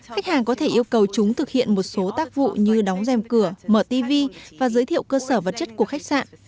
khách hàng có thể yêu cầu chúng thực hiện một số tác vụ như đóng dèm cửa mở tv và giới thiệu cơ sở vật chất của khách sạn